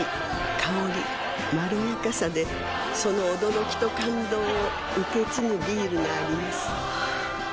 香りまろやかさでその驚きと感動を受け継ぐビールがあります